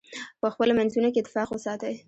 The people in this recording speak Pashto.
په خپلو منځونو کې اتفاق وساتئ.